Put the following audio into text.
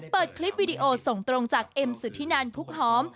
เปิดคลิปวิดีโอส่งตรงจากเอ็มสุธินันพุกหอม